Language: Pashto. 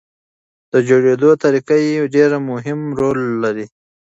د جوړېدو طریقه یې ډېر مهم رول لري.